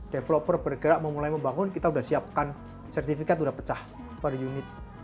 developer bergerak memulai membangun kita sudah siapkan sertifikat udah pecah per unit